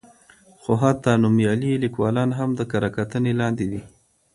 خو حتی نومیالي لیکوالان هم د کره کتنې لاندې دي.